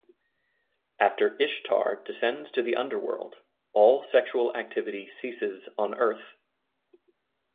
After Ishtar descends to the underworld, all sexual activity ceases on earth.